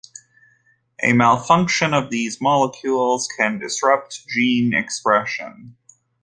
A malfunction of these molecules can disrupt gene expression.